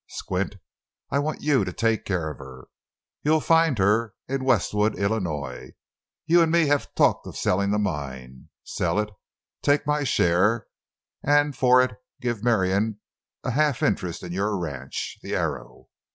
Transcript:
Squint, I want you to take care of her. You'll find her in Westwood, Illinois. You and me have talked of selling the mine. Sell it; take my share and for it give Marion a half interest in your ranch, the Arrow.